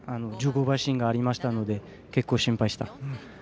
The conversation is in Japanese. １５馬身がありましたので結構、心配した。